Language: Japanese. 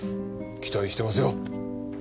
期待してますよ